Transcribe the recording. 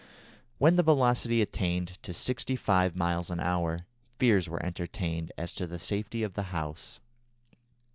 When the velocity attained to sixty five miles an hour, fears were entertained as to the safety of the house.